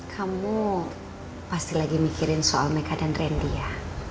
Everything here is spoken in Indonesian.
kamu pasti lagi mikirin soal meka dan randy ya